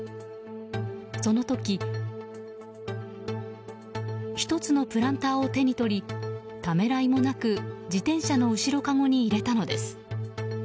その時１つのプランターを手に取りためらいもなく自転車の後ろかごに入れたのです。